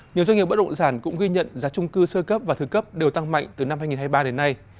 nhiều doanh nghiệp bất động sản cũng ghi nhận giá trung cư sơ cấp và thứ cấp đều tăng mạnh từ năm hai nghìn hai mươi ba đến nay